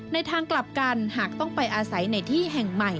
ในทางกลับกันหากต้องไปอาศัยในที่แห่งใหม่